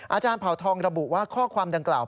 อาจารย์เผาทองระบุว่าข้อความดังกล่าว